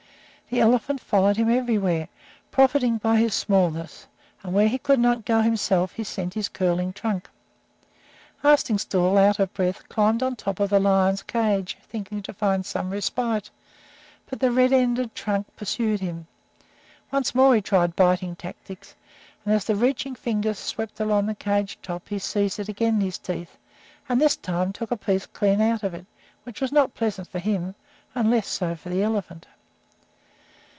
The elephant followed him everywhere, profiting by his smallness, and where he could not go himself he sent his curling trunk. Arstingstall, out of breath, climbed on top of the lion's cage, thinking to find some respite, but the red ended trunk pursued him. Once more he tried biting tactics, and as the reaching finger swept along the cage top he seized it again in his teeth, and this time took a piece clean out of it, which was not pleasant for him, and less so for the elephant.